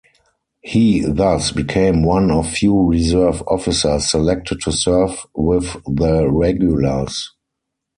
He thus became one of few reserve officers selected to serve with the regulars.